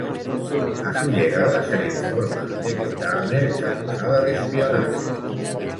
A su llegada, se le informa de que Turner es acusada de espionaje.